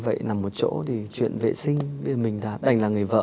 vì một người phụ nữ rất là nhỏ bé